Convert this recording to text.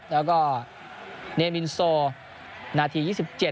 แล้วก็เนมินโซนาที๒๗